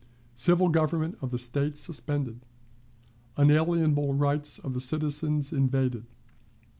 Civil Government of the State suspended. Unalienable Rights of the Citizens invaded.